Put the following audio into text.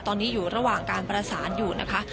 ตอนนี้อยู่ระหว่างการประสานอยู่นะคะ